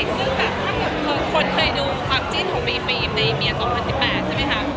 ซึ่งแบบถ้าเกิดคนเคยดูความจิ้นของมีฟิล์มในเมีย๒๐๑๘ใช่ไหมคะ